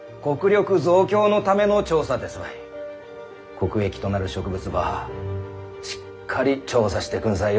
国益となる植物ばしっかり調査してくんさいよ。